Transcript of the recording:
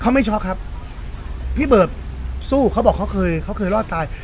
เขาไม่ช็อกครับพี่เบิร์ตสู้เขาบอกเขาเคยเขาเคยรอดตาย